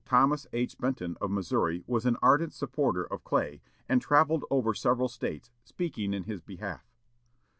Thomas H. Benton of Missouri was an ardent supporter of Clay, and travelled over several States speaking in his behalf.